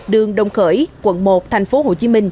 đường đồng khởi quận một tp hcm